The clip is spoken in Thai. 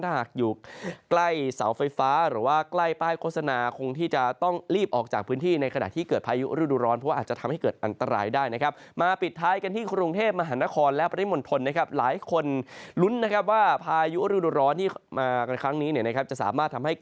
หากอยู่ใกล้สาวไฟฟ้าหรือว่าใกล้ป้ายโฆษณา